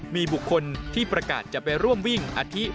มีบุคคลที่ประกาศจะไปร่วมวิ่งอาทิ